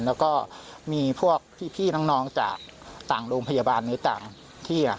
แล้วก็มีพวกพี่น้องจากต่างโรงพยาบาลในต่างที่